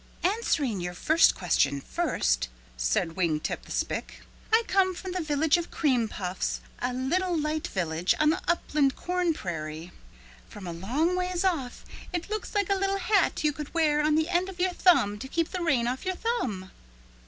"Answering your first question first," said Wing Tip the Spick, "I come from the Village of Cream Puffs, a little light village on the upland corn prairie. From a long ways off it looks like a little hat you could wear on the end of your thumb to keep the rain off your thumb."